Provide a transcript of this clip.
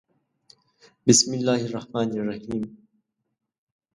《بِسْمِ اللَّـهِ الرَّحْمَـٰنِ الرَّحِيمِ》